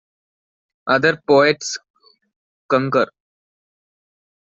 Other poets concur.